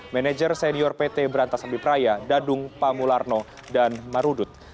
manager senior pt berantas ambipraya dadung pamularno dan marudut